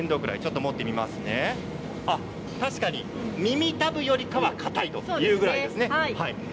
確かに耳たぶよりかはかたいというくらいですね。